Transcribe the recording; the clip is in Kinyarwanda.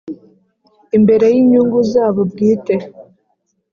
imbere y' inyungu zabo bwite